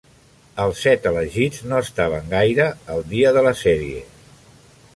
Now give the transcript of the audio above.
Els set elegits no estaven gaire al dia de la sèrie.